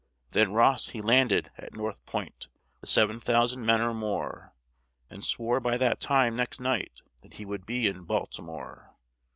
Then Ross he landed at North Point, With seven thousand men or more, And swore by that time next night, That he would be in Baltimore.